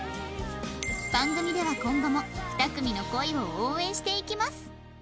番組では今後も２組の恋を応援していきます